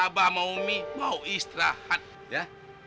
abah sama umi mau istirahat ya